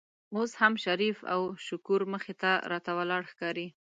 اوس هم شریف او شکور مخې ته راته ولاړ ښکاري.